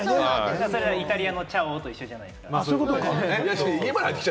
イタリアのチャオ！と一緒じゃないですか。